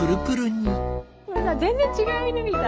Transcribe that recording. これさ全然違う犬みたい。